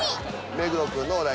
目黒くんのお題